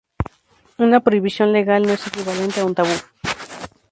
Una prohibición legal no es equivalente a un tabú.